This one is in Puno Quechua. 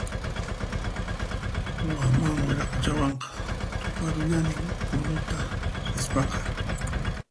Waman Wiraquchawanqa tuparullanin Punuta rispaqa